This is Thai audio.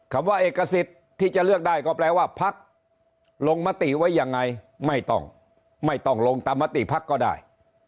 คำว่าเอกสิทธิ์ที่จะเลือกได้ก็แปลว่าพักลงมติไว้ยังไงไม่ต้องไม่ต้องลงตามมติภักดิ์ก็ได้